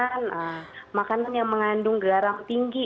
makanan makanan yang mengandung garam tinggi